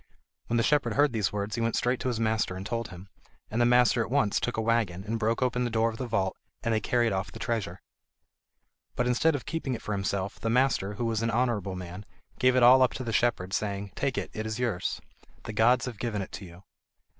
When the shepherd heard these words he went straight to his master and told him, and the master at once took a waggon, and broke open the door of the vault, and they carried off the treasure. But instead of keeping it for himself, the master, who was an honourable man, gave it all up to the shepherd, saying: "Take it, it is yours. The gods have given it to you."